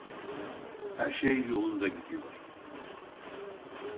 Her şey yolunda gidiyor.